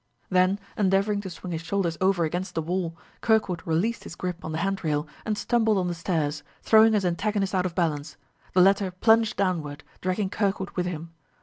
Then endeavoring to swing his shoulders over against the wall, Kirkwood released his grip on the hand rail and stumbled on the stairs, throwing his antagonist out of balance. The latter plunged downward, dragging Kirkwood with him.